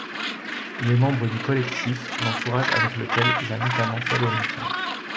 Il est membre du collectif L'Entourage avec lequel il a notamment fait l'Olympia.